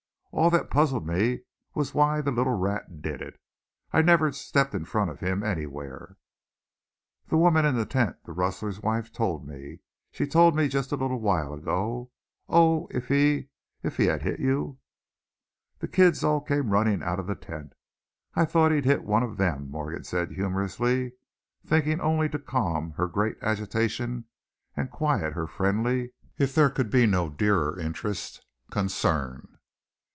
"All that puzzled me was why the little rat did it I never stepped in front of him anywhere." "That woman in the tent the rustler's wife told me she told me just a little while ago. Oh! if he if he'd have hit you!" "The kids all came running out of the tent I thought he'd hit one of them," Morgan said, humorously, thinking only to calm her great agitation and quiet her friendly if there could be no dearer interest concern.